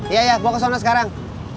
iya iya gue kesona sekarang